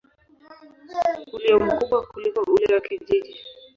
ulio mkubwa kuliko ule wa kijiji.